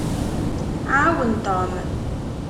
Ɛawen Tom.